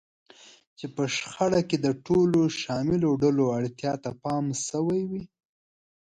چې په شخړه کې د ټولو شاملو ډلو اړتیا ته پام شوی وي.